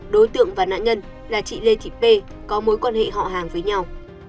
đối tượng và nạn nhân là chị lê thị pê có mối quan hệ họ hàng với nhau